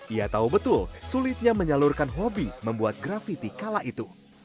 ia tahu betul sulitnya menyalurkan hobi membuat grafiti kala itu